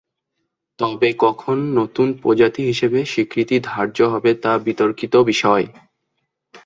তবে কখন নতুন প্রজাতি হিসাবে স্বীকৃতি ধার্য হবে তা বিতর্কিত বিষয়।